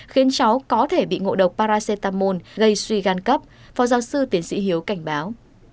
khiến cháu có thể bị ngộ độc paracetamol gây suy gan cấp phó giáo sư tiến sĩ hiếu cảnh báo